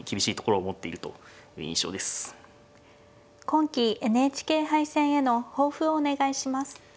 今期ＮＨＫ杯戦への抱負をお願いします。